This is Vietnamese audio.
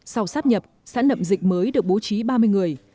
sau sắp nhập xã nậm dịch mới được bố trí ba mươi người